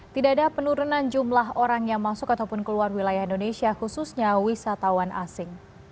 tidak ada penurunan jumlah orang yang masuk ataupun keluar wilayah indonesia khususnya wisatawan asing